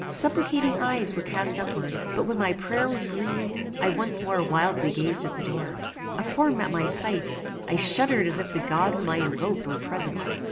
Supplicating eyes were cast upward, but when my prayer was breathed, I once more wildly gazed at the door. A form met my sight: I shuddered as if the God whom I invoked were present.